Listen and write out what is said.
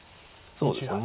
そうですね。